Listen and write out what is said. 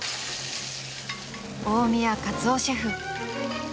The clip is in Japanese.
［大宮勝雄シェフ］